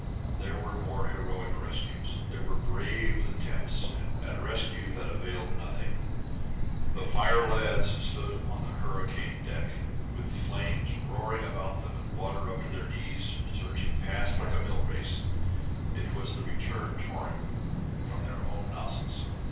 There were more heroic rescues. There were brave attempts at rescue that availed nothing. The fire lads stood on the hurricane deck, with flames roaring about them and water up to their knees surging past like a mill race; it was the return torrent from their own nozzles.